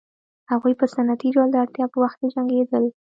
هغوی په سنتي ډول د اړتیا په وخت کې جنګېدل